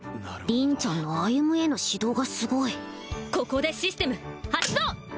凛ちゃんの歩への指導がすごいここでシステム発動！